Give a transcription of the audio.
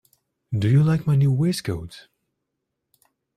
Do you like my new waistcoat?